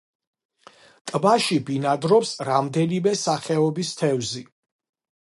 ტბაში ბინადრობს რამდენიმე სახეობის თევზი.